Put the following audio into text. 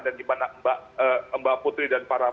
dan dimana mbak putri dan para